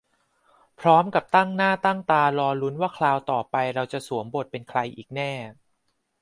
พร้อมกับตั้งหน้าตั้งตารอลุ้นว่าคราวต่อไปเราจะสวมบทเป็นใครอีกแน่